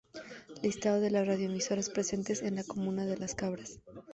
Listado de las Radioemisoras presentes en la comuna de Las Cabras.